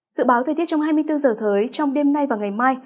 sự báo thời tiết trong hai mươi bốn giờ thời trong đêm nay và ngày mai